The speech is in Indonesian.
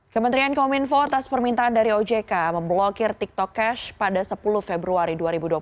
kementerian kominfo atas permintaan dari ojk memblokir tiktok cash pada sepuluh februari dua ribu dua puluh satu